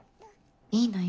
いいのよ